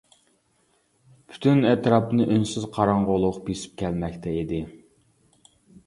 پۈتۈن ئەتراپنى ئۈنسىز قاراڭغۇلۇق بېسىپ كەلمەكتە ئىدى.